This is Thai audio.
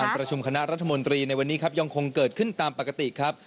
ประชุมคณะรัฐมนตรีในวันนี้ครับยังคงเกิดขึ้นตามปกติครับ